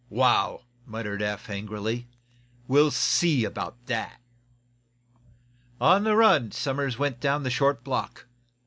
"Wow!" sputtered Eph, angrily. "We'll see about that." On the run Somers went down the short block.